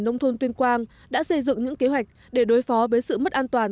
nông thôn tuyên quang đã xây dựng những kế hoạch để đối phó với sự mất an toàn